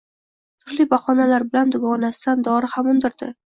Turli bahonalar bilan dugonasidan dori ham undirdi